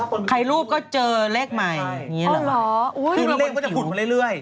คือแบบใครลูปก็เจอเลขใหม่นี้แหละคือเลขก็จะขึ้นไปเรื่อย